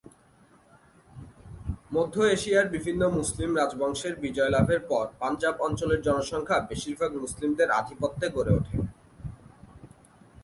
মধ্য এশিয়ার বিভিন্ন মুসলিম রাজবংশের বিজয় লাভের পর পাঞ্জাব অঞ্চলের জনসংখ্যা বেশিরভাগ মুসলিমদের আধিপত্য গড়ে ওঠে।